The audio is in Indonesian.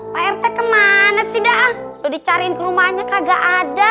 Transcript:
pak mt kemana sih dah udah dicariin rumahnya kagak ada